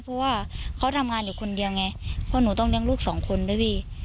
เพราะว่าเขาทำงานอยู่คนเดียวไงเพราะหนูต้องเลี้ยงลูกสองคนด้วยพี่